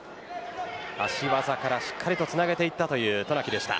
足技からしっかりとつなげていったという渡名喜でした。